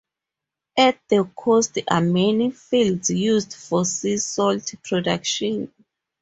At the coast are many fields used for sea salt production.